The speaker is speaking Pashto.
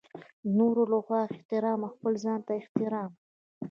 د نورو لخوا احترام او خپل ځانته احترام.